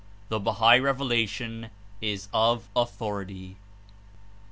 139 THE BAHAI REVELATION IS OF AUTHORITY.